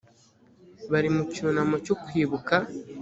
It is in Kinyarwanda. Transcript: bari mu cyunamo cyo kwibuka